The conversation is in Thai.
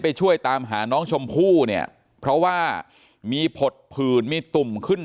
ช่วยตามหาน้องชมพู่เนี่ยเพราะว่ามีผดผื่นมีตุ่มขึ้น